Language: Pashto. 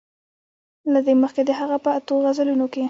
له دې مخکې د هغه په اتو غزلونو کې.